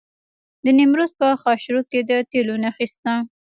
د نیمروز په خاشرود کې د تیلو نښې شته.